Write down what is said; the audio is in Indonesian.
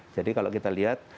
jadi kalau kita lihat